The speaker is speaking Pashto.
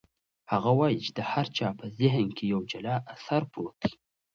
هغه وایي چې د هر چا په ذهن کې یو جلا اثر پروت دی.